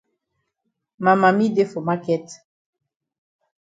Ma mami dey for maket.